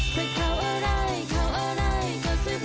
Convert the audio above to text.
เข้าอะไรเข้าอะไรก็สึกหาใจหมด